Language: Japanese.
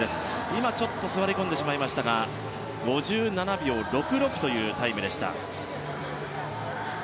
今はちょっと座り込んでしまいましたが５７秒６６というタイムでした。